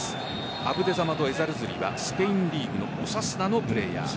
アブデサマド・エザルズリはスペインリーグのオサスナのプレーヤー。